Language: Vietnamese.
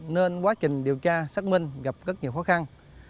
nên quá trình điều tra xác minh gặp rất nhiều khó khăn